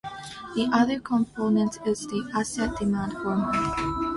The other component is the asset demand for money.